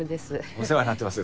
お世話になってます。